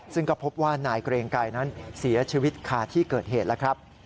ซึ่งก็พบว่านายเกรงไกรนั้นเสียชีวิตคาที่เกิดเหตุแล้วครับ